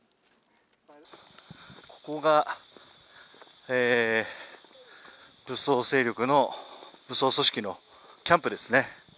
ここが武装勢力の武装組織のキャンプですね。